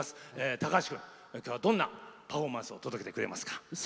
高橋君今日はどんなパフォーマンス届けてくれますか？